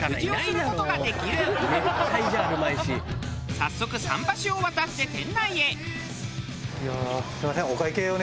早速桟橋を渡って店内へ。